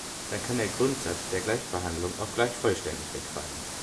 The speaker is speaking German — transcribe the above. Dann kann der Grundsatz der Gleichbehandlung auch gleich vollständig wegfallen.